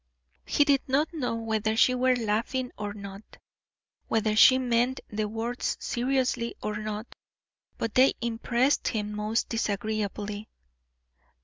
He did not know whether she were laughing or not, whether she meant the words seriously or not, but they impressed him most disagreeably.